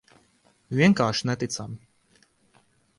Vienkārši neticami.